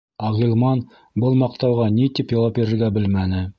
Ә Ғилман был маҡтауға ни тип яуап бирергә белмәне.